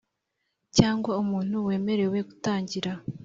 cyangwa umuntu wemerewe gutangira.